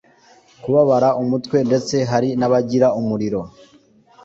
kubabara umutwe ndetse hari n’abagira umuriro